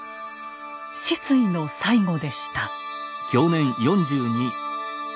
失意の最期でした。